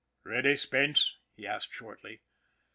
" Ready, Spence ?" he asked shortly.